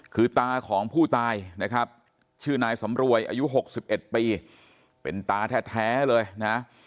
คือตาของผู้ตายนะครับชื่อนายสำรวยอายุ๖๑ปีเป็นตาแท้เลยนะ